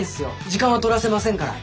時間はとらせませんから。